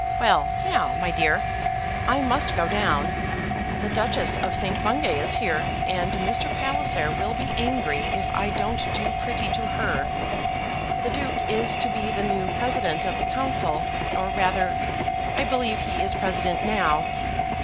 Well, now, my dear, I must go down. The Duchess of St. Bungay is here, and Mr. Palliser will be angry if I don't do pretty to her. The Duke is to be the new President of the Council, or rather, I believe he is President now.